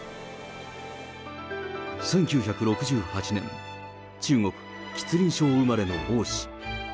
１９６８年、中国・吉林省生まれの王氏。